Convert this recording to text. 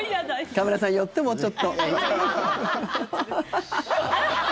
カメラさん、寄ってもうちょっと。